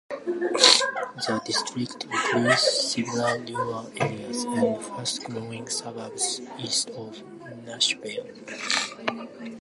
The district includes several rural areas and fast-growing suburbs east of Nashville.